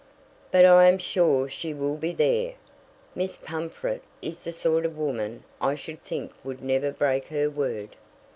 "But I am sure she will be there. Miss Pumfret is the sort of woman I should think would never break her word."